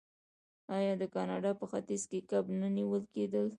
آیا د کاناډا په ختیځ کې کب نه نیول کیدل؟